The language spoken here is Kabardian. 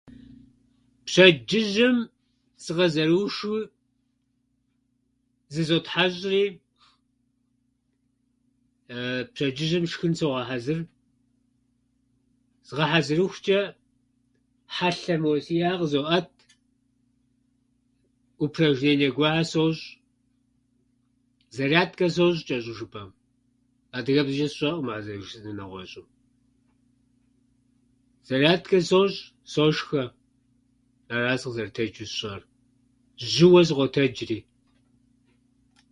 Пщэдджыжьым сыкъызэрыушу зызотхьэщӏри пщэдджыжьым шхын согъэхьэзыр. Згъэхьэзырыхучӏэ хьэлъэ мо сиӏэхэр къызоӏэт, упражнение гуэрхьэр сощӏ, зарядкэ сощӏ кӏэщӏу жыпӏэм. Адыгэбзэчӏэ сщӏэӏым ар зэрыжысӏэнур нэгъуэщӏу. Зарядкэ сощӏ, сошхэ, ара сыкъызэрытэджу сщӏэр, жьыуэ сыкъотэджри.